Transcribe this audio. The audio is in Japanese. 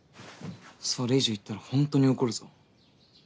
それ以上言ったらほんとに怒るぞ。